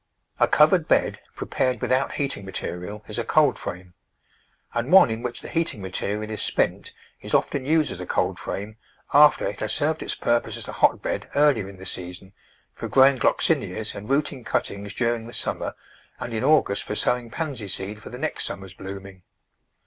A cov ered bed, prepared without heating material, is a cold frame ; and one in which the heating material is spent is often used as a cold frame after it has served its purpose as a hotbed earlier in the season, for growing Gloxinias and rooting cuttings during the summer, and in August for sowing Pansy seed for the next sum mer's blooming.